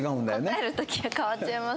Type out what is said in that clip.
答えるとき変わっちゃいます